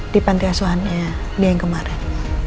di pantai asuhannya dia yang kemarin